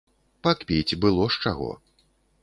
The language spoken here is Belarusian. Пакпіць было з чаго!